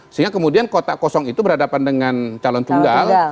sehingga kemudian kotak kosong itu berhadapan dengan calon tunggal